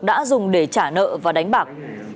đã dùng để trả nợ và đánh bạc